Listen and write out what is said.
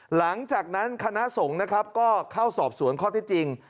หลังจากนั้นคณะสงฆ์นะครับก็เข้าสอบสวนข้อที่จริง